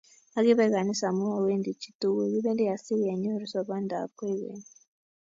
Makibe kanisa amu wendi chitukul, kibendi asikenyoru sobondop koikeny